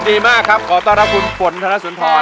ดีมากครับขอต้อนรับคุณฝนธนสุนทร